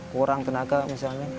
kurang tenaga misalnya